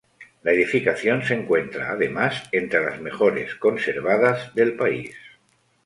La edificación se encuentra además entre las mejores conservadas del país.